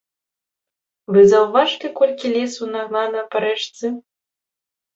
Вы заўважылі, колькі лесу нагнана па рэчцы?